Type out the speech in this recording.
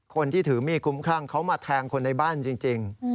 คนที่ถือมีดคุ้มครั่งเขามาแทงคนในบ้านจริง